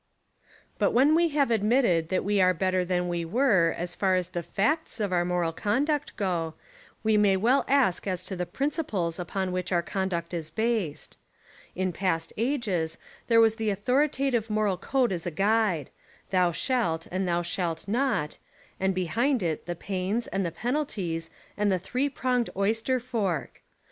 But when we have admitted that we are bet ter than we were as far as the facts of our moral conduct go, we may well ask as to the principles upon which our conduct is based. In past ages there was the authoritative moral code as a guide — thou shalt and thou shalt not — and behind it the pains, and the penalties, and the three pronged oyster fork.